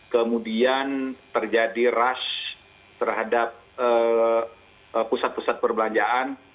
kemudian terjadi rush terhadap pusat pusat perbelanjaan